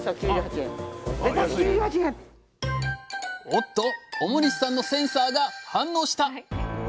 おっと表西さんのセンサーが反応した！